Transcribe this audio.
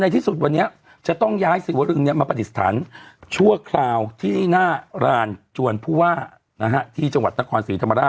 ตั้งอยู่ห่างจากจวดความผิด